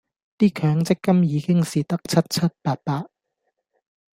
啲強積金已經蝕得七七八八